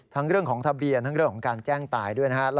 ทั้งเรื่องทะเบียนทั้งการแจ้งตายด้วยน่ะ